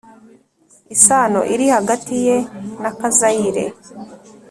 isano iri hagati ye na Kazayire